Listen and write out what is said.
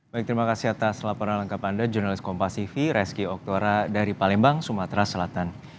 baik terima kasih atas laporan lengkap anda jurnalis kompasifi reski oktora dari palembang sumatera selatan